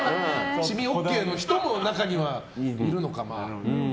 染みＯＫの人も中には、いるのかな。